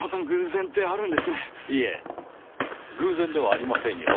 いえ偶然ではありませんよ。